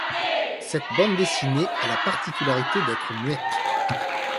Cette bande dessinée a la particularité d'être muette.